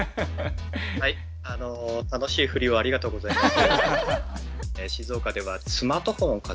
はい楽しい振りをありがとうございます。